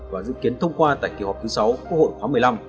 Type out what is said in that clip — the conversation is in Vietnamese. và dự kiến thông qua tại kỳ họp thứ sáu quốc hội khóa một mươi năm